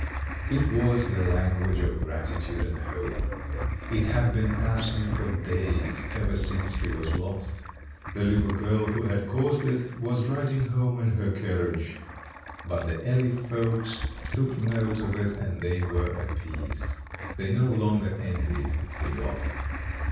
It was the language of gratitude and hope. It had been absent for days ever since he was lost. The little girl who had caused it was riding home in her carriage, but the alley folks took note of it and they were appeased. They no longer envied the dog.